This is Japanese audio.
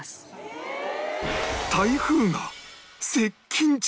台風が接近中！